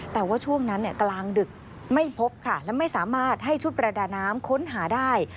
แต่ว่าช่วงนั้นกลางดึกไม่พบค่ะและไม่สามารถให้ชุดประดาน้ำค้นหาได้